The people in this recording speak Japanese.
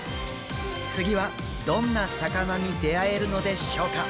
次はどんな魚に出会えるのでしょうか。